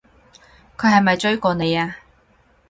佢係咪追過你啊？